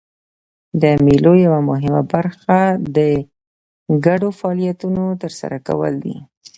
د مېلو یوه مهمه برخه د ګډو فعالیتونو ترسره کول دي.